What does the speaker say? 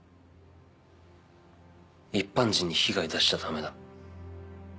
一般人に被害出しちゃ駄目だ。